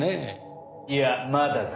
いやまだだ。